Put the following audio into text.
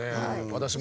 私も。